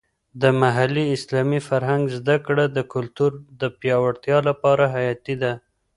د محلي اسلامي فرهنګ زده کړه د کلتور د پیاوړتیا لپاره حیاتي ده.